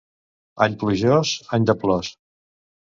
Any plujós, any de plors.